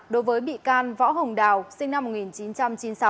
đối với bị can võ hồng đào sinh năm một nghìn chín trăm chín mươi sáu